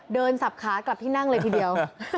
สับขากลับที่นั่งเลยทีเดียว